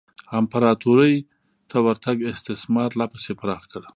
امپراتورۍ ته ورتګ استثمار لا پسې پراخ کړ.